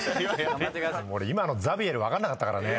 俺今の「ザビエル」分かんなかったからね。